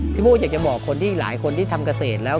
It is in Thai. โบ้อยากจะบอกคนที่หลายคนที่ทำเกษตรแล้ว